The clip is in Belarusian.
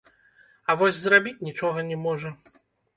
А вось зрабіць нічога не можа.